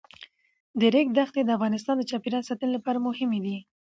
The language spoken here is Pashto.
د ریګ دښتې د افغانستان د چاپیریال ساتنې لپاره مهم دي.